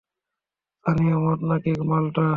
স্থানীয় মদ নাকি মাল্টা?